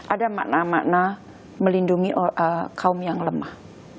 ada makna makna melindungi kaum yang lemah